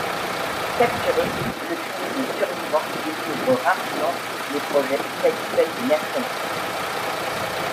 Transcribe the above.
Capturé, le trio de survivants découvre rapidement les projets inhabituels des mercenaires.